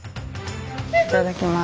いただきます。